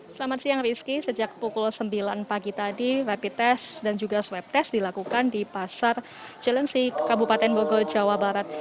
selamat siang rizky sejak pukul sembilan pagi tadi rapid test dan juga swab test dilakukan di pasar jelensi kabupaten bogor jawa barat